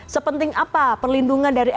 sepenting apa perlindungan dari